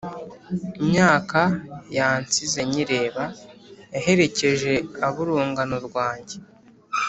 imyaka yansize nyireba yaherekeje ab` urungano rwanjye